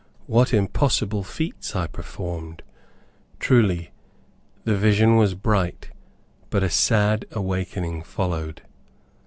what impossible feats I performed! Truly, the vision was bright, but a sad awaking followed.